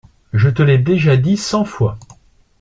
Je te l'ai déjà dit cent fois.